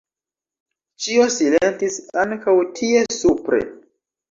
Ĉio silentis ankaŭ tie supre.